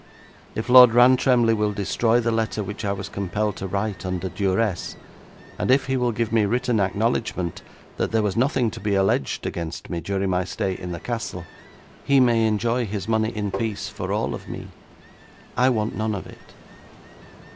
If Lord Rantremly will destroy the letter which I was compelled to write under duress, and if he will give me written acknowledgment that there was nothing to be alleged against me during my stay in the castle, he may enjoy his money in peace for all of me. I want none of it.'